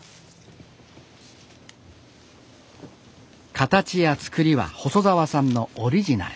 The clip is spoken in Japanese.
形や作りは細澤さんのオリジナル。